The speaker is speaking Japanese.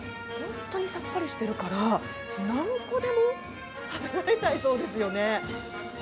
本当にさっぱりしているから、何個でも食べられちゃいそうですね。